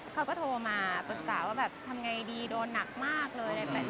เขาก็โทรมาปรึกษาว่าแบบทำไงดีโดนหนักมากเลย